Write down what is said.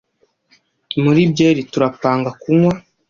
Muri byeri turapanga kunywa